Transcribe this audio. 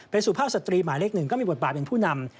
เป็นสุภาพสตรีหมายเลขหนึ่งก็มีบทบาทเป็นผู้นำ